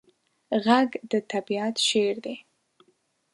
غږ د طبیعت شعر دی